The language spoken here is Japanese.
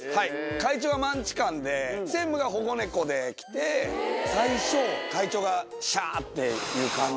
会長がマンチカンで、専務が保護猫で来て、最初、会長がしゃーっていう感じ。